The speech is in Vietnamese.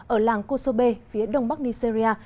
ở làng kosobe phía đông bắc nigeria